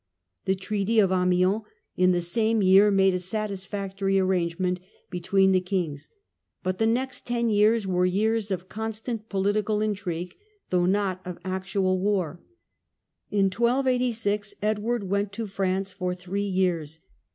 The Treaty of Amiens in the same year made a satisfactory arrangement between the kings. But the next ten years were years of constant political intrigue, though not of actual war. In 1286 Edward went to France for three years.